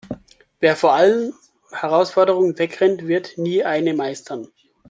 Wer vor allen Herausforderungen wegrennt, wird nie eine meistern.